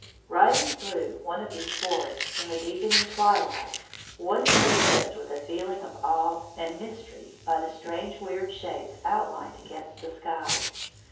Riding through one of these forests in the deepening twilight, one is impressed with a feeling of awe and mystery by the strange, weird shapes outlined against the sky.